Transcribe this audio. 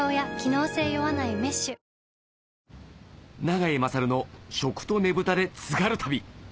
永井大の食とねぶたでつがる旅